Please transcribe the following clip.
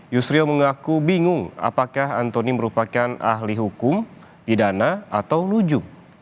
yusril mengaku bingung apakah antoni merupakan ahli hukum pidana atau luju